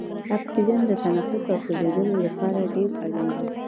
اکسیجن د تنفس او سوځیدو لپاره ډیر اړین دی.